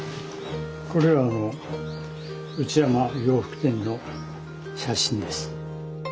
これは内山洋服店の写真です。